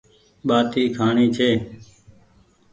ٻآٽي کآڻي ڇي